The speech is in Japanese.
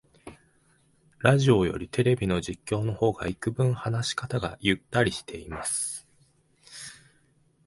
ラジオよりテレビの実況の方がいくぶん話し方がゆったりしてます